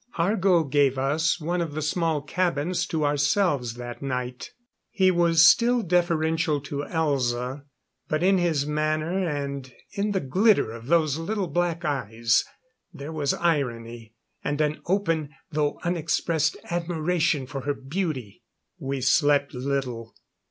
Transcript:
Argo gave us one of the small cabins to ourselves that night. He was still deferential to Elza, but in his manner and in the glitter of those little black eyes, there was irony, and an open, though unexpressed, admiration for her beauty. We slept little.